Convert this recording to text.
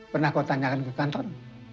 pernah kau tanyakan ke kantor